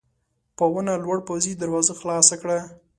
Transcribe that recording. په ونه لوړ پوځي دروازه خلاصه کړه.